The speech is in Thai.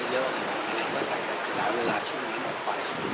ก็จากนั้นจะหลายเวลาช่วงมัดไป